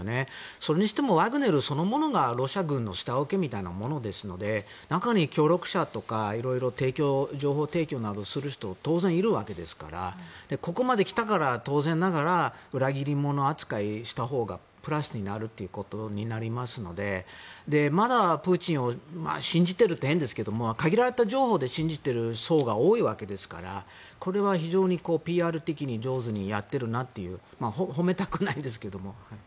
それにしてもワグネルそのものがロシア軍の下請けみたいなものですので中に協力者とか情報提供などする人当然いるわけですからここまで来たから当然ながら裏切り者扱いしたほうがプラスになるということになりますのでまだ、プーチンを信じているというと変ですけど限られた情報で信じている層が多いわけですからこれは非常にＰＲ的に上手にやっているなと褒めたくないですけども。